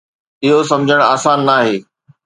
اهو سمجهڻ آسان ناهي.